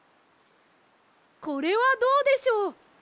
これはどうでしょう。